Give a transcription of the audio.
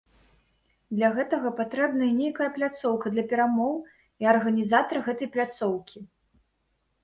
Для гэтага патрэбная і нейкая пляцоўка для перамоў, і арганізатар гэтай пляцоўкі.